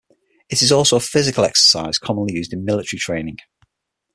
It is also a physical exercise commonly used in military training.